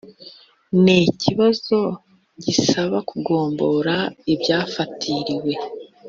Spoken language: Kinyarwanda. n ikibazo gisaba kugombora ibyafatiriwe